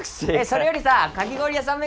それよりさかき氷屋さん